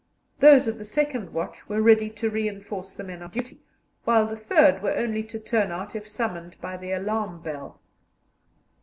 Those of the second watch were ready to reinforce the men on duty, while the third were only to turn out if summoned by the alarm bell.